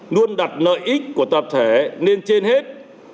luôn đặt lợi ích của tập thể lên trên hết